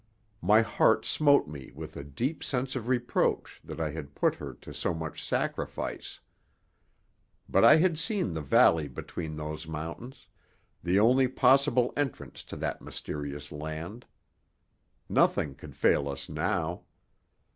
My heart smote me with a deep sense of reproach that I had put her to so much sacrifice. But I had seen the valley between those mountains, the only possible entrance to that mysterious land. Nothing could fail us now.